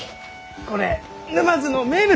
これ沼津の名物！